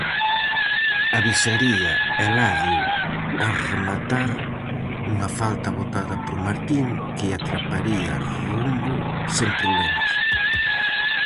Avisaría Eladio ao rematar unha falta botada por Martín, que atraparía rumbo sen problemas.